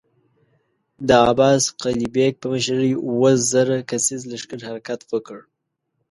د عباس قلي بېګ په مشری اووه زره کسيز لښکر حرکت وکړ.